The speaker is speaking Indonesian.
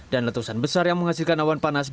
letusan besar yang menghasilkan awan panas